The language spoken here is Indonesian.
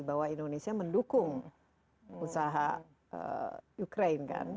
bahwa indonesia mendukung usaha ukraine kan